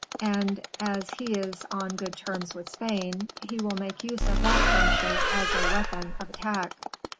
"And as he is on good terms with Spain, he will make use of that friendship as a weapon of attack."